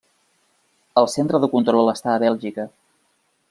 El centre de control està a Bèlgica.